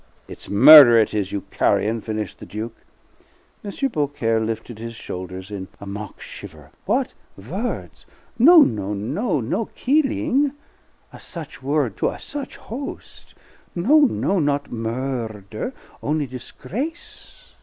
"It's murder, is it, you carrion!" finished the Duke. M. Beaucaire lifted his shoulders in a mock shiver. "What words! No, no, no! No killing! A such word to a such host! No, no, not mur r der; only disgrace!"